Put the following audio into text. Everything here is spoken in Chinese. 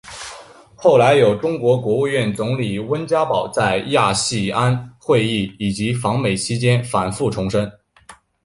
后来有中国国务院总理温家宝在亚细安会议以及访美期间反复重申。